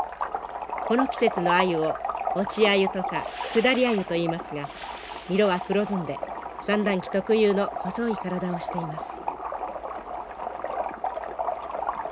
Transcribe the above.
この季節のアユを落ちアユとか下りアユといいますが色は黒ずんで産卵期特有の細い体をしています。